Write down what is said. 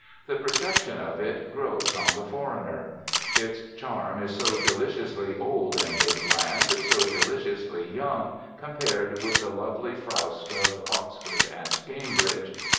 The perception of it grows on the foreigner. Its charm is so deliciously old in this land, so deliciously young compared with the lovely frowst of Oxford and Cambridge.